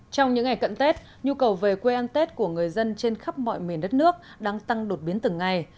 trong những ngày cận tết nhu cầu về quê ăn tết của người dân trên khắp mọi miền đất nước đang tăng đột biến từng ngày